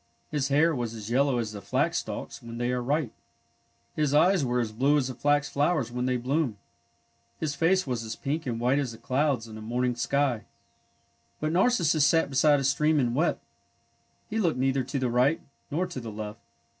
His hair was as yellow as the flax stalks when they are ripe. His eyes were as blue as the flax flowers when they bloom. His face was as pink and as white as the clouds in a morning sky. But Narcissus sat beside a stream and wept. He looked neither to the right nor to the left.